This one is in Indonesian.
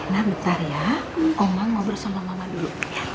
nah bentar ya omah ngobrol sama mama dulu